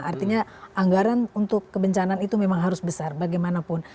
artinya anggaran untuk kebencanaan itu memang harus besar bagaimanapun